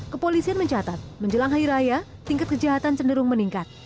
kepolisian mencatat menjelang hari raya tingkat kejahatan cenderung meningkat